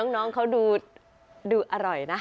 น้องเขาดูอร่อยนะ